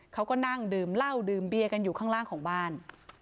เขาก็นั่งดื่มเหล้าดื่มเบียกันอยู่ข้างล่างของบ้าน